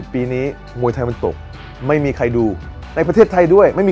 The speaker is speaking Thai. ปีนี้มวยไทยมันตกไม่มีใครดูในประเทศไทยด้วยไม่มี